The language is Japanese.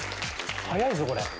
早いぞこれ。